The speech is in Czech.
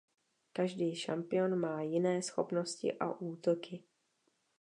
Každý šampion má jiné schopnosti a útoky.